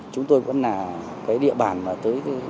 chúng tôi vẫn là cái địa bàn mà tới